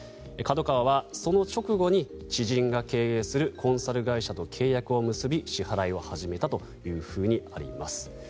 ＫＡＤＯＫＡＷＡはその直後に知人が経営するコンサル会社と契約を結び支払いを始めたとあります。